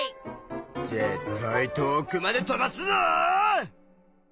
ぜったい遠くまで飛ばすぞ！